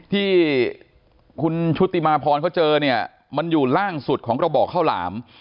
ที่คุณชุติมาพรเขาเจอเนี่ยมันอยู่ล่างสุดของกระบอกข้าวหลาม